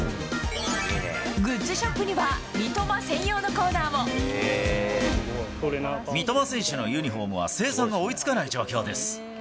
グッズショップには、三笘専用の三笘選手のユニホームは、生産が追いつかない状況です。